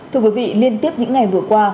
thưa quý vị liên tiếp những ngày vừa qua